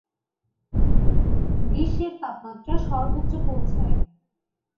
গ্রীষ্মের তাপমাত্রা সর্বোচ্চ পৌঁছায়।